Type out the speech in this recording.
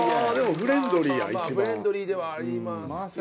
フレンドリーではありますけど。